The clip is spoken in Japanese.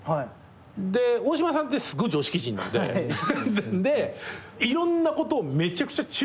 で大島さんってすごい常識人なんで。でいろんなことをめちゃくちゃ注意されて。